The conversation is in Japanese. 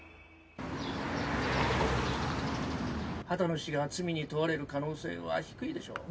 秦野氏が罪に問われる可能性は低いでしょう。